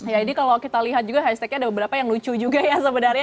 jadi kalau kita lihat juga highstacknya ada beberapa yang lucu juga ya sebenarnya